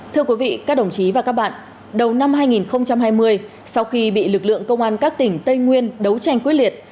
thưa quý vị các đồng chí và các bạn đầu năm hai nghìn hai mươi sau khi bị lực lượng công an các tỉnh tây nguyên đấu tranh quyết liệt